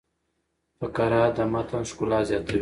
فقره د متن ښکلا زیاتوي.